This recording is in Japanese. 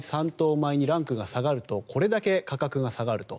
米にランクが下がるとこれだけ価格が下がると。